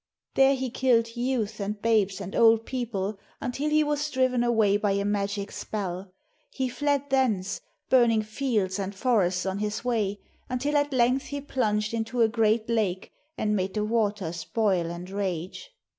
There he killed youths and babes and old people, until he was driven away by a magic spell. He fled thence, burning fields and forests on his way, until at length he plunged into a great lake, and made the waters boil and rage.